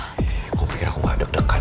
eh kok pikir aku gak deg degan